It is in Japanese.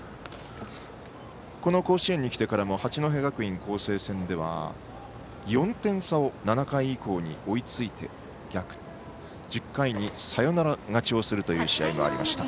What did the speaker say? この甲子園にきてからも八戸学院光星戦では４点差を７回以降に追いついて１０回にサヨナラ勝ちをするという試合がありました。